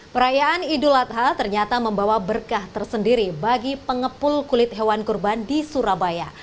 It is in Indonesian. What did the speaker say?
perayaan idul adha ternyata membawa berkah tersendiri bagi pengepul kulit hewan kurban di surabaya